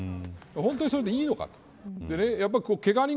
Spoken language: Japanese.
本当にそれでいいのかと。